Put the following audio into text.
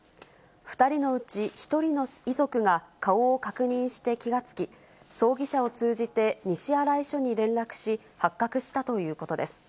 ２人のうち１人の遺族が顔を確認して気が付き、葬儀社を通じて西新井署に連絡し、発覚したということです。